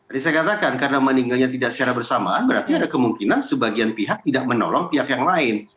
riset katakan karena meninggalnya tidak secara bersamaan berarti ada kemungkinan sebagian pihak tidak menolong pihak yang lain